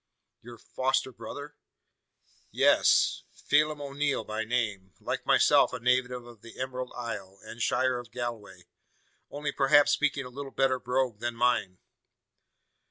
"Your foster brother?" "Yes. Phelim O'Neal by name like myself a native of the Emerald Isle, and shire of Galway; only perhaps speaking a little better brogue than mine."